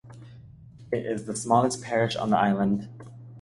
It is the smallest parish on the island.